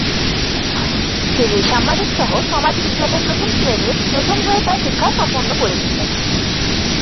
তিনি সাম্মানিক সহ সমাজবিজ্ঞানে প্রথম শ্রেণীর প্রথম হয়ে তাঁর শিক্ষা সম্পন্ন করেছিলেন।